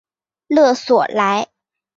勒索莱。